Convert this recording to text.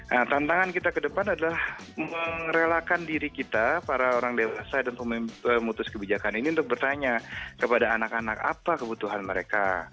nah tantangan kita ke depan adalah mengerelakan diri kita para orang dewasa dan pemutus kebijakan ini untuk bertanya kepada anak anak apa kebutuhan mereka